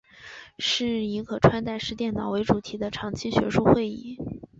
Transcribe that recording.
是以可穿戴式电脑为主题的长期学术会议。